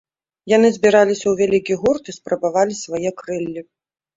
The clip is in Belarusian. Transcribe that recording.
Яны збіраліся ў вялікі гурт і спрабавалі свае крыллі.